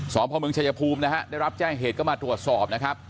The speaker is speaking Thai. พ่อเมืองชายภูมินะฮะได้รับแจ้งเหตุก็มาตรวจสอบนะครับ